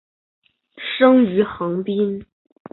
生于横滨。